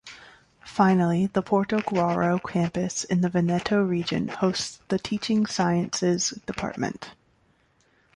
Finally, the Portogruaro campus in the Veneto region hosts the Teaching Sciences Department.